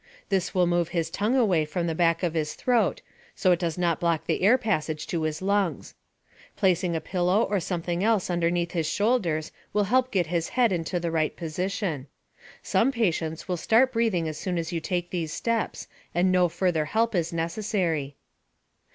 This will move his tongue away from the back of his throat, so it does not block the air passage to his lungs. Placing a pillow or something else under his shoulders will help get his head into the right position. Some patients will start breathing as soon as you take these steps, and no further help is necessary.